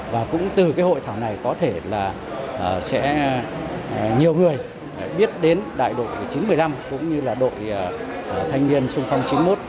và những bài học kinh nghiệm của sự kiện đại đội thanh niên sung phong chín mươi một năm